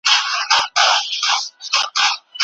د پښتنو لښکر په اصفهان کې خپله تاریخي مېړانه وښوده.